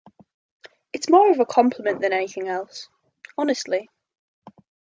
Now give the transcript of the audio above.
It's more of a compliment than anything else, honestly.